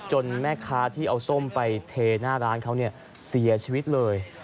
แม่ค้าที่เอาส้มไปเทหน้าร้านเขาเนี่ยเสียชีวิตเลย